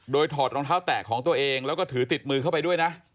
โดยถอดรองเท้าแตะของตัวเองแล้วก็ถือติดมือเข้าไปด้วยนะ